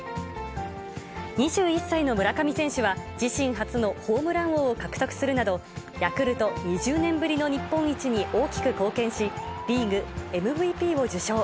２１歳の村上選手は、自身初のホームラン王を獲得するなど、ヤクルト２０年ぶりの日本一に大きく貢献し、リーグＭＶＰを受賞。